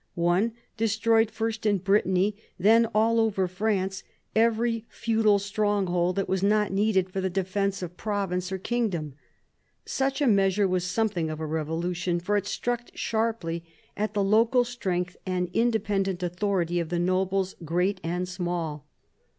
One destroyed, first in Brittany, then all over France, every feudal strong hold that was not needed for the defence of province or kingdom. Such a measure was something of a revolution, for it struck sharply at the local strength and independent authority of the nobles, great and small.